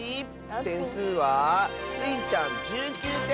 てんすうはスイちゃん１９てん！